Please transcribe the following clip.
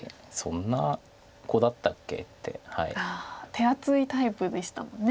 手厚いタイプでしたもんね。